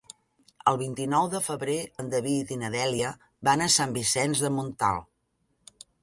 El vint-i-nou de febrer en David i na Dèlia van a Sant Vicenç de Montalt.